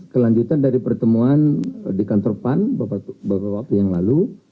kelanjutan dari pertemuan di kantor pan beberapa waktu yang lalu